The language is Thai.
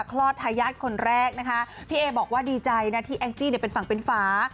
คลอดทายาทคนแรกนะคะพี่เอบอกว่าดีใจนะที่แองจี้เนี่ยเป็นฝั่งเป็นฟ้า